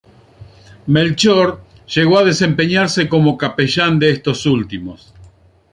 Melchor llegó a desempeñarse como capellán de estos últimos.